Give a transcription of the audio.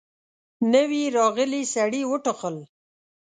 نوي راغلي سړي وټوخل.